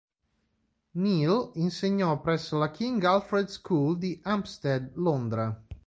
Neill insegnò presso la King Alfred School di Hampstead, Londra.